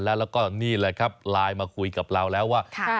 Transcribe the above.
แล้วก็นี่แหละครับไลน์มาคุยกับเราแล้วว่า